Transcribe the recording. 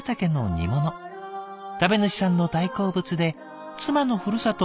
食べ主さんの大好物で妻のふるさと